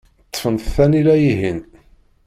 Ṭṭfent tanila-ihin.